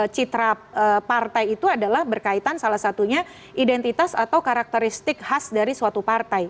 citra partai itu adalah berkaitan salah satunya identitas atau karakteristik khas dari suatu partai